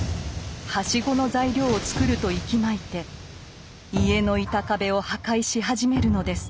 はしごの材料を作るといきまいて家の板壁を破壊し始めるのです。